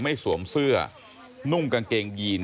สวมเสื้อนุ่งกางเกงยีน